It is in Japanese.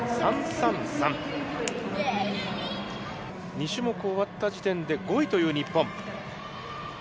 ２種目終わった時点で、５位という日本。